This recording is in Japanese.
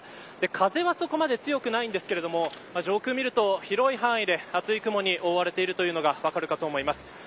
風はそこまで強くないんですけれども上空を見ると、広い範囲で厚い雲に覆われているというのが分かるかと思います。